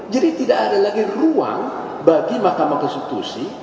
jadi tidak ada lagi ruang bagi mahkamah konstitusi